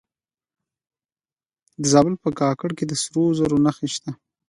د زابل په کاکړ کې د سرو زرو نښې شته.